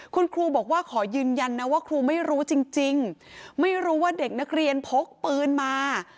คุณครูบอกว่าขอยืนยันนะว่าครูไม่รู้จริงไม่รู้ว่าเด็กนักเรียนพกปืนมา